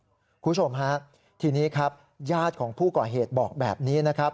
คุณผู้ชมฮะทีนี้ครับญาติของผู้ก่อเหตุบอกแบบนี้นะครับ